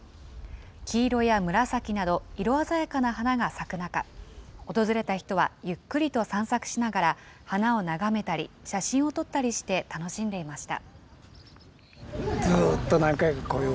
黄色や紫など色鮮やかな花が咲く中、訪れた人はゆっくりと散策しながら、花を眺めたり、写真を撮ったりして楽しんでいました。